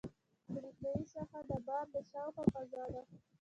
برېښنایي ساحه د بار د شاوخوا فضا ده.